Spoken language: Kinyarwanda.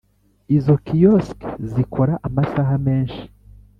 Izo kiosks zikora amasaha menshi